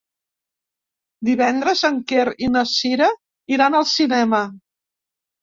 Divendres en Quer i na Cira iran al cinema.